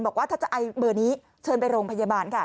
บอกว่าถ้าจะไอเบอร์นี้เชิญไปโรงพยาบาลค่ะ